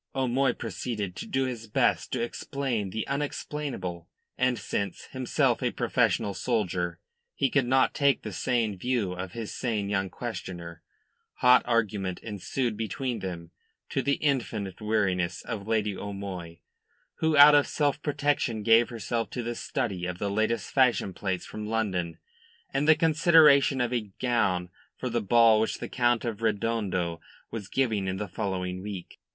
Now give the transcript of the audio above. O'Moy proceeded to do his best to explain the unexplainable, and since, himself a professional soldier, he could not take the sane view of his sane young questioner, hot argument ensued between them, to the infinite weariness of Lady O'Moy, who out of self protection gave herself to the study of the latest fashion plates from London and the consideration of a gown for the ball which the Count of Redondo was giving in the following week.